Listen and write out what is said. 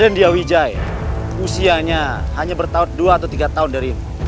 raden diyah wijaya usianya hanya bertahun dua atau tiga tahun darimu